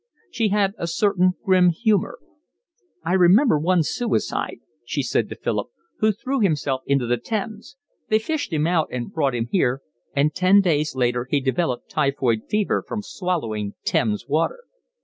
She had a certain grim humour. "I remember one suicide," she said to Philip, "who threw himself into the Thames. They fished him out and brought him here, and ten days later he developed typhoid fever from swallowing Thames water."